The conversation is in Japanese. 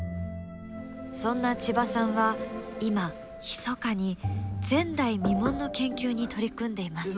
そんな千葉さんは今ひそかに前代未聞の研究に取り組んでいます。